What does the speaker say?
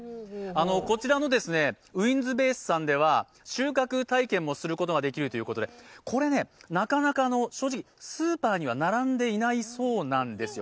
こちらのウインズベースさんでは収穫体験もできるということで、これね、なかなかの、スーパーには並んでいないそうなんですよ。